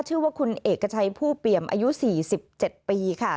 ชื่อว่าคุณเอกชัยผู้เปี่ยมอายุ๔๗ปีค่ะ